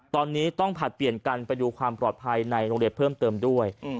ตอนนี้ต้องผลัดเปลี่ยนกันไปดูความปลอดภัยในโรงเรียนเพิ่มเติมด้วย